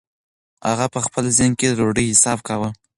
هغه په خپل ذهن کې د ډوډۍ حساب کاوه.